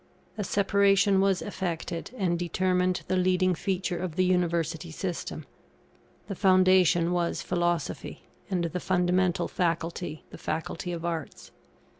A separation was effected, and determined the leading feature of the University system. The foundation was Philosophy, and the fundamental Faculty the Faculty of Arts.